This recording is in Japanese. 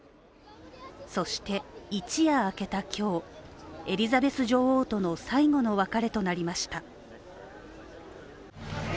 そして一夜明けた今日、エリザベス女王との最後の別れとなりました。